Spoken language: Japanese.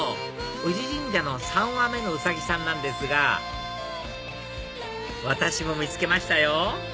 宇治神社の３羽目のウサギさんなんですが私も見つけましたよ！